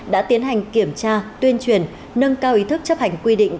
đã tiến hành kiểm tra tuyên truyền nâng cao ý thức chấp hành quy định